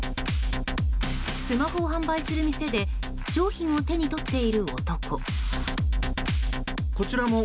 スマホを販売する店で商品を手に取っている男。